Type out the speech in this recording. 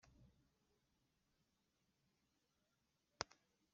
Soma muri Yesaya Niba rero mwahinduka